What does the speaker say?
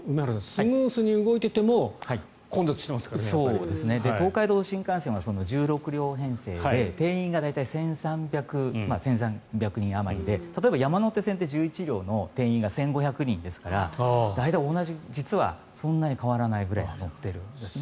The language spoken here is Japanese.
スムーズに動いていても東海道新幹線は１６両編成で定員が大体１３００人あまりで例えば山手線で１１両の定員が１５００人ですから大体、実はそんなに変わらないくらい乗っているんですね。